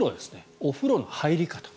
お風呂の入り方